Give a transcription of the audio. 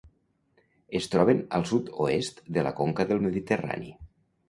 Es troben al sud-oest de la conca del Mediterrani.